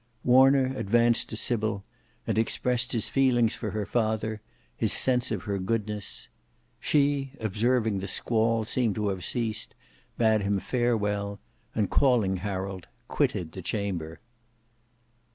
Warner advanced to Sybil, and expressed his feelings for her father, his sense of her goodness. She, observing that the squall seemed to have ceased, bade him farewell, and calling Harold, quitted the chamber.